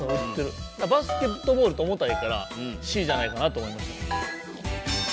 バスケットボールっておもたいからＣじゃないかなと思いました。